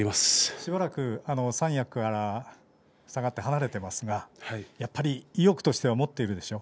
しばらく三役から下がって離れていますがやっぱり意欲としては持っているでしょう？